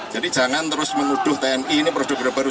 jadi jangan terus menuduh tni ini produk order baru